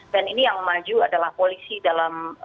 dan ini yang maju adalah polisi dalam